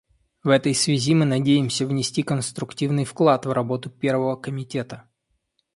В этой связи мы надеемся внести конструктивный вклад в работу Первого комитета.